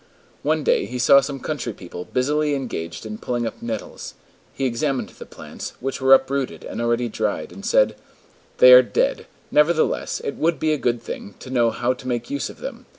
One day he saw some country people busily engaged in pulling up nettles; he examined the plants, which were uprooted and already dried, and said: "They are dead. Nevertheless, it would be a good thing to know how to make use of them.